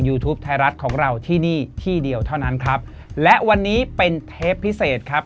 ไทยรัฐของเราที่นี่ที่เดียวเท่านั้นครับและวันนี้เป็นเทปพิเศษครับ